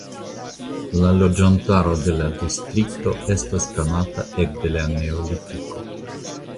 La loĝantaro de la distrikto estas konata ekde la neolitiko.